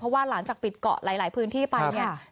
เพราะว่าหลังจากปิดเกาะหลายพื้นที่ไปเนี่ย